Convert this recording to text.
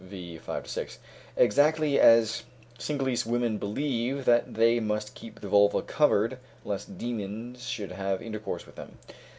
5 6), exactly as Singhalese women believe that they must keep the vulva covered lest demons should have intercourse with them.